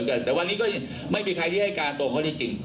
ก็แต่วันนี้ก็ไม่มีใครที่ให้การตรงเขาจริงจริง